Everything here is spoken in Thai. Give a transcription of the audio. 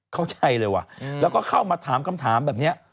เข้าใจเลยว่ะแล้วก็เข้ามาถามคำถามแบบนี้